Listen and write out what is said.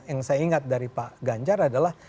yang saya ingat dari pak ganjar adalah